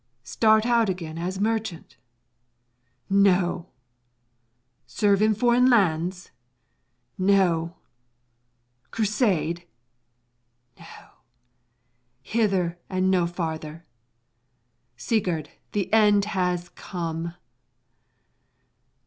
Start out again as merchant? No! Serve in foreign lands? No! Crusade? No! Hither and no farther! Sigurd, the end has come!